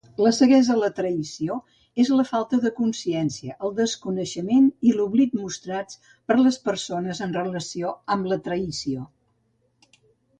La ceguesa a la traïció es la falta de consciència, el desconeixement i l'oblit mostrats per les persones en relació amb la traïció.